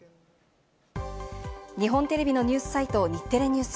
日本テレビのニュースサイト・日テレＮＥＷＳ。